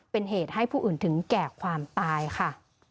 เป็นเหตุให้ผู้อื่นถึงแก่ความตายค่ะ